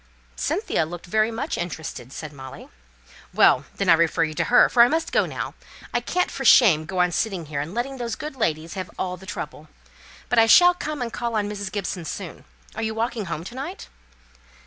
"Cynthia looked very much interested," said Molly. "Well! then I refer you to her, for I must go now. I can't for shame go on sitting here, and letting those good ladies have all the trouble. But I shall come and call on Mrs. Gibson soon. Are you walking home to night?"